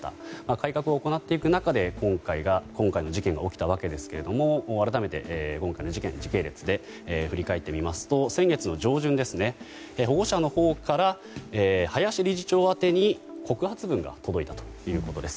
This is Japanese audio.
改革を行っていく中で今回の事件が起きたわけですが改めて、今回の事件を時系列で振り返ってみますと先月の上旬、保護者のほうから林理事長宛てに告発文が届いたということです。